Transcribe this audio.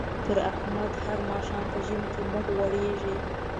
پر احمد هر ماښام په ژمي مخ غوړېږي.